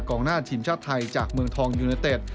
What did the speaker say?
กองหน้าชีวิตชาติไทยจากเมืองทองยูเนอเต็ด